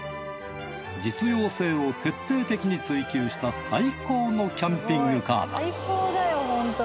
実用性を徹底的に追求した最高のキャンピングカーだ